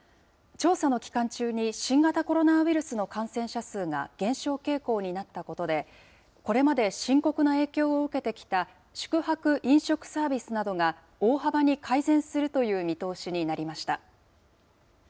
調査の期間中に新型コロナウイルスの感染者数が減少傾向になったことで、これまで深刻な影響を受けてきた宿泊・飲食サービスなどが、大幅に改善するという見通しになりました。